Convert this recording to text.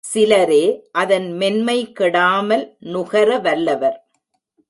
சிலரே அதன் மென்மை கெடாமல் நுகர வல்லவர்.